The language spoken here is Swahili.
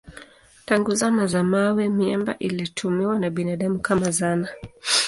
Tangu zama za mawe miamba ilitumiwa na binadamu kama zana.